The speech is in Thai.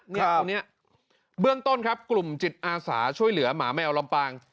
เนี่ยตรงนี้เบื้องต้นครับกลุ่มจิตอาสาช่วยเหลือหมาแมวลำปาง